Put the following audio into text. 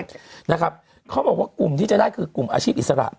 เขาบอกว่ากลุ่มที่จะได้คือกลุ่มอาชีพอิสระ